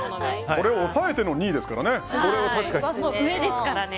これを抑えての２位ですからね。